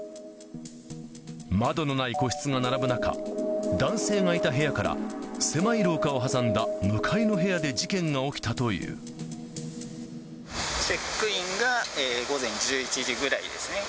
窓のない個室が並ぶ中、男性がいた部屋から狭い廊下を挟んだ向かいの部屋で事件が起きたチェックインが午前１１時ぐらいですね。